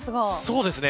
そうですね。